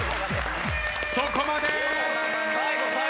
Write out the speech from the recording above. そこまで！